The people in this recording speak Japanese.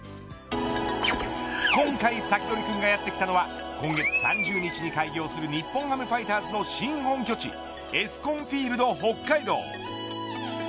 今回、サキドリくんがやってきたのは今月３０日に開業する日本ハムファイターズの新本拠地エスコンフィールドＨＯＫＫＡＩＤＯ。